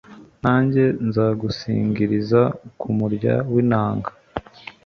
nanjye nzagusingiriza ku murya w'inanga